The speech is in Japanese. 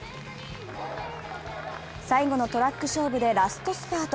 最後のトラック勝負でラストスパート。